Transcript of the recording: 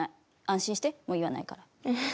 安心して、もう言わないから。